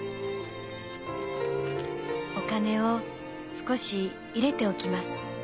「お金を少し入れておきます。